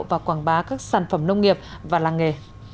và quảng bá các sản phẩm nông nghiệp và làng nghề